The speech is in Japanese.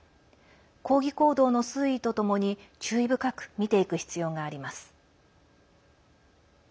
抗議行動の推移とともに注意深く見ていく必要があります。